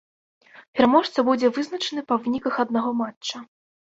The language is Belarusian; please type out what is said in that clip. Пераможца будзе вызначаны па выніках аднаго матча.